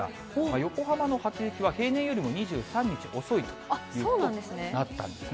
横浜の初雪は、平年よりも２３日遅いということになったんですね。